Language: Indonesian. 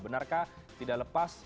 benarkah tidak lepas